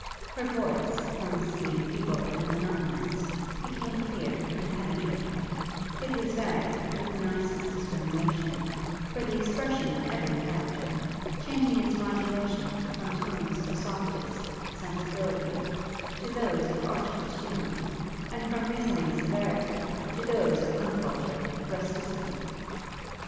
Her voice, from seeming feeble and monotonous, became clear and penetrating: it was varied, with the nicest discrimination, for the expression of every character, changing its modulation from tones of softest sensibility, to those of archest humour; and from reasoning severity, to those of uncultured rusticity.